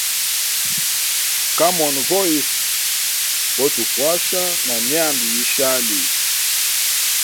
Common voice go tukwasha na myanda yishali.